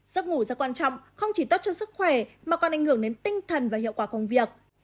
giấc ngủ ra quan trọng không chỉ tốt cho sức khỏe mà còn ảnh hưởng đến tinh thần và hiệu quả công việc